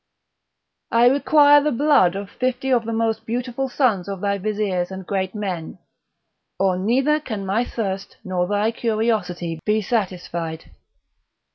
I require the blood of fifty of the most beautiful sons of thy vizirs and great men, or neither can my thirst nor thy curiosity be satisfied.